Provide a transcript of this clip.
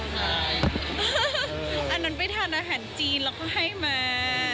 ใครแล้วอันนั้นไปทานอาหารจีนเราก็ให้มา